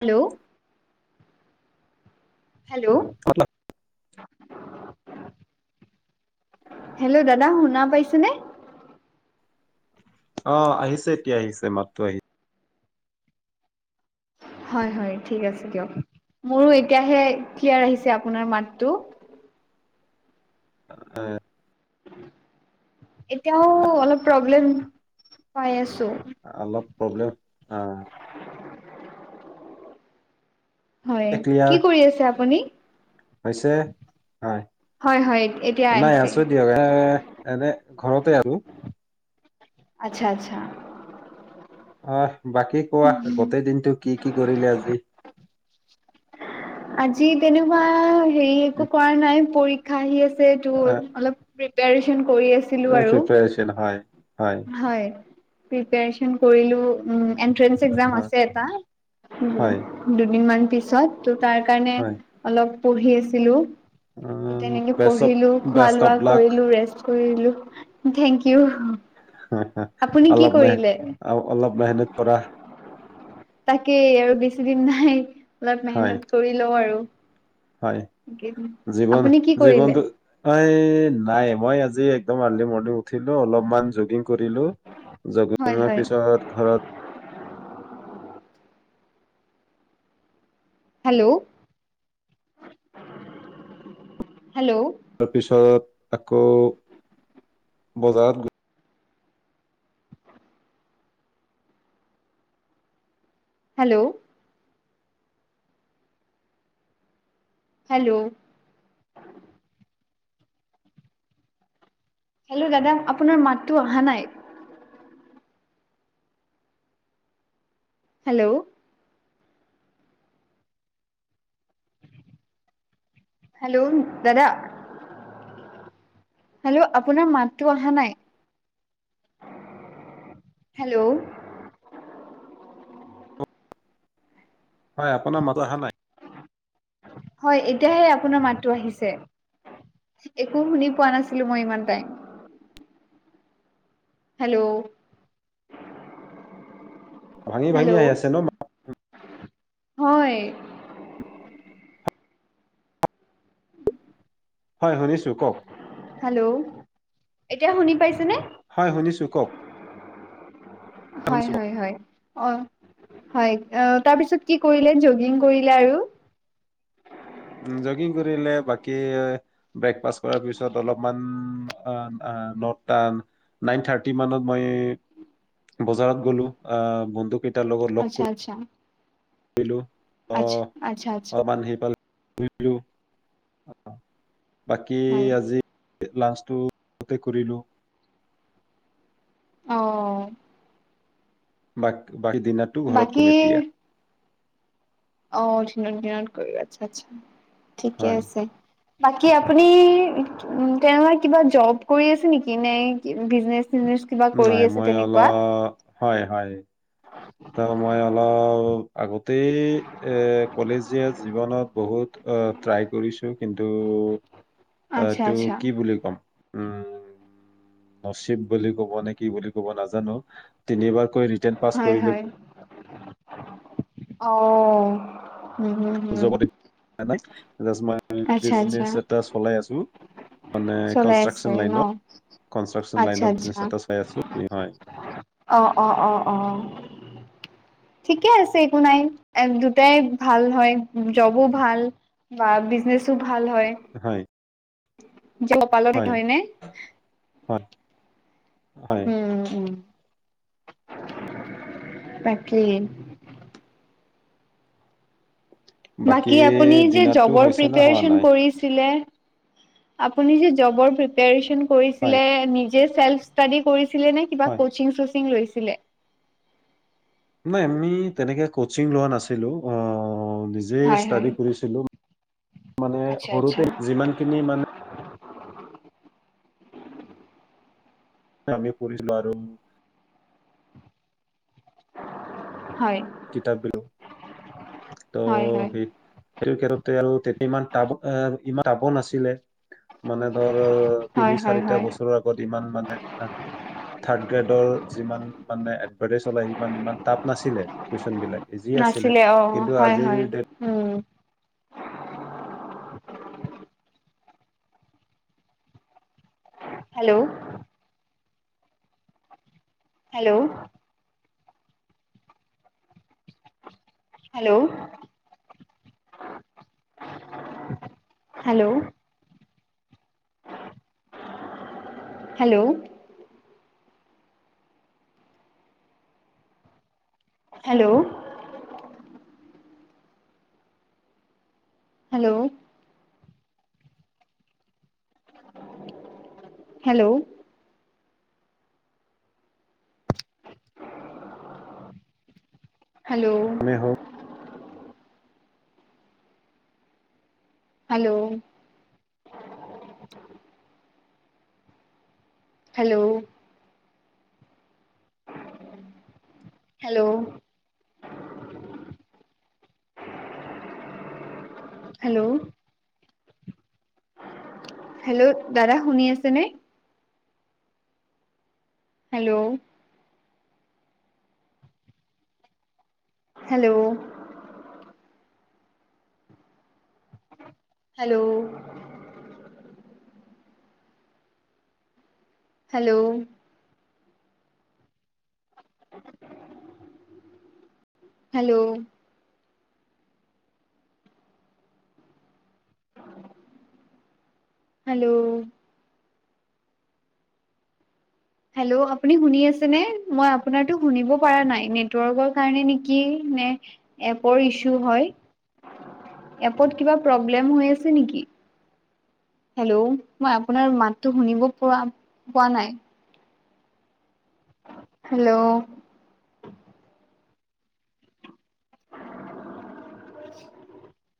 Hello hello hello দাদা শুনা পাইছেনে? অ আহিছে এতিয়া আহিছে মাতটো আহি হয় হয় ঠিক আছে দিয়ক মোৰো এতিয়াহে ক্লিয়েৰ আহিছে আপোনাৰ মাতটো। [unintelligible] এতিয়াও অলপ প্ৰব্লেম পাই আছো। অলপ প্ৰব্লেম অ হয় এতিয়া ক্লিয়াৰ কি কৰি আছে আপুনি? হৈছে হয়। হয় হয় এতিয়া নাই আহিছে। আছো দিয়ক এই এনে ঘৰতে আৰু। আচ্ছা আচ্ছা। অ বাকী কোৱা গোটেই দিনটো কি কি কৰিলা আজি। আজি তেনেকুৱা হেৰি একো কৰা নাই পৰীক্ষা আহি আছে তোৰ অলপ প্ৰিপিয়েচন কৰি আছো। প্ৰিপীয়েচন হয় হয়। হয় প্ৰেপিয়েচন কৰিলোঁ উম এণ্ট্ৰেন্স একজাম হয় আছে এটা হয় দুদিন মান পিছত ত' তাৰ কাৰণে হয় অলপ পঢ়ি আছিলো ত' তেনেকে বেষ্ট অফ পঢ়িলো খোৱা বেষ্ট লোৱা অফ লাক কৰিলো ৰেষ্ট কৰিলো থেংক ইউ আপুনি কি অলপ মেহ কৰিলে অলপ মেহনেত কৰা তাকেই আৰু বেছি দিন নাই অলপ হয় মেহনত কৰি লওঁ আৰু। হয় জীৱন আপুনি কি কৰিলে জীৱনটো এই নাই মই আজি একদম আৰ্লি মৰ্ণিং উঠিলোঁ অলপমান জগিং কৰিলো। হয় জগিংৰ হয় পিছত ঘৰত হেল্ল' হেল্ল' তাৰপিছত আকৌ বজাৰত গ হেল্ল' হেল্ল' হেল্ল' দাদা আপোনাৰ মাতটো অহা নাই। হেল্ল' হেল্ল' দাদা হেল্ল' আপোনাৰ মাতটো অহা নাই হেল্ল'। হয় আপোনাৰ মাতটো অহা নাই। হয় এতিয়াহে আপোনাৰ মাতটো আহিছে। একো শুনি পোৱা নাছিলোঁ মই ইমান টাইম। হেল্ল' ভাঙি ভাঙি হেল্ল' আহি আছে ন হয় হয় শুনিছোঁ কওক। হেল্ল' এতিয়া শুনি পাইছেনে? হয় শুনিছো কওক হয় শুনিছো হয় হয় অ। হয় অ তাৰপিছত কি কৰিলে জগিং কৰিলে আৰু উম জগিং কৰিলে বাকী ব্ৰেকফাষ্ট কৰাৰ পিছত অলপমান অ অ নট টান নাইন থাৰ্টি মানত মই বজাৰত গলোঁ অ বন্ধু কেইত আচ্ছা আচ্ছা দিলোঁ অ আচ্ছা আচ্ছা আচ্ছা অলপমান সি পাল বাকী হয় আজি লাঞ্চটো তাতে কৰিলোঁ। অ' বাক বাকী দিনাৰটো ঘৰত বাকী কৰিম এতিয়া। অ দিনত দিনত কৰি আচ্ছা আচ্ছা ঠিকে হয়। আছে। বাকী আপুনি উম তেয়ে কিবা যব কৰি আছে নেকি নে বিজনেচ চিজনেচ কিবা নাই কৰি আছে মই তেনেকুৱা অলপ হয় হয়। মই অলপ আগতেই এই কলেজীয়া জীৱনত বহুত অ ট্ৰাই কৰিছোঁ কিন্তু আচ্ছা ইটো আচ্ছা কি বুলি কম উম। নচিব বুলি কব নে কি বুলি কব নাজানো তিনিবাৰকৈ ৰিটাৰ্ণ পাছ হয় কৰিলো হয়। অ' উম উম। [unintelligible] জাষ্ট মই আচ্ছা আচ্ছা বিজনেচ এটা চলাই আছোঁ। মানে চলাই আছে কনষ্ট্ৰাকচন ন? লাইনত কনষ্ট্ৰাকচন আচ্ছা লাইনত আচ্ছা বিজনেচ এটা চাই আছোঁ হয়। অ অ অ অ। ঠিকে আছে একো নাই এ দুটাই ভাল হয় যবো ভাল বা বিজনেচো ভাল হয় [unintelligible] হয় হয়নে। হয় হয়। উম উম তাকেই বাকী আপুনি যে ডিনাৰটো যবৰ হৈছে নে হোৱা প্ৰিপাৰেচন নাই কৰিছিলে আপুনি যে জবৰ প্ৰিপাৰেচন হয় কৰিছিলে নি যে চেল্ফ ষ্টাডি কৰিছিলে নে কিবা হয় কচিং চচিং লৈছিলে? নাই আমি তেনেকে কচিং লোৱা নাছিলোঁ অ'‌ যে হয় হয়। ষ্টাডি কৰিছিলো মানে আচ্ছা আচ্ছা সৰুতে যিমানখিনি মানে [unintelligible] হয়। কিতাপ দিলো হয় হয় ত' সেই [unintelligible] মানে ধৰ তিনি হয় হয় চাৰিটা হয় বছৰৰ আগত ইমান মানে থাৰ্ড গ্ৰেডৰ যিমান মানে এডভাৰ্টাইজ ওলাই সিমান টাফ নাছিলে। কুৱেশন বিলাক ইজি আছিলে নাছিলে অ' কিন্তু হয় আজিৰ হয় ডেট উম। Hello hello hello hello hello hello hello hello hello এ হৌ hello hello hello hello hello দাদা শুনি আছে নে? Hello hello hello hello hello hello hello আপুনি শুনি আছে নে? মই আপোনাৰটো শুনিব পৰা নাই! নেটৱৰ্কৰ কাৰণে নেকি নে এপৰ ইছু হয় এপত কিবা প্ৰব্লেম হৈ আছে নিকি? হেল্ল' মই আপোনাৰ মাতটো শুনিব পোৱা পোৱা নাই হেল্ল' [unintelligible]